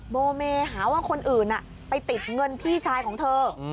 โบเมหาว่าคนอื่นไปติดเงินพี่ชายของเธอ